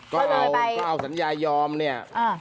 ก็เราก็เอาสัญญายอมเนี่ย